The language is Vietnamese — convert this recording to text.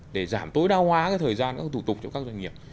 để giảm tối đa hóa thời gian các thủ tục cho các doanh nghiệp